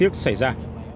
tiếc xảy ra